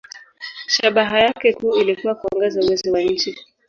Shabaha yake kuu ilikuwa kuongeza uwezo wa nchi.